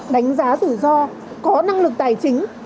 đánh giá rủi ro có năng lực tài chính